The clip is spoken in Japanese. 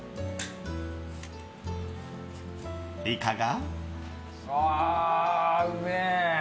いかが？